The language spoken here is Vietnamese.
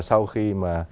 sau khi mà